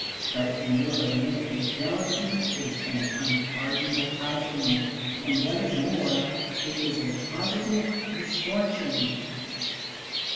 But you will admit that jealousy is an unpardonable passion, and what is more, it is a positive misfortune.